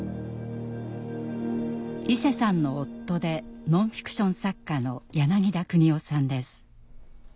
いせさんの夫でノンフィクション作家の柳田邦男さんです。